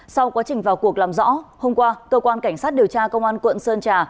sau quá trình vào cuộc làm rõ hôm qua cơ quan cảnh sát điều tra công an quận sơn trà